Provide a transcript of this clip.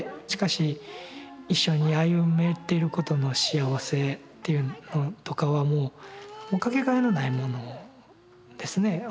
しかし一緒に歩めてることの幸せっていうのとかはもう掛けがえのないものですね。